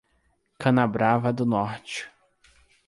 Canabrava do Norte